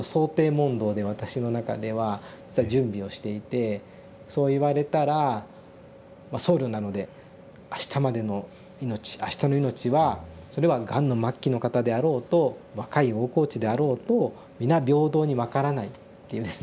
問答で私の中では準備をしていてそう言われたら僧侶なので「あしたまでの命あしたの命はそれはがんの末期の方であろうと若い大河内であろうと皆平等に分からない」っていうですね